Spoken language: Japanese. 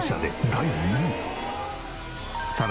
第２位。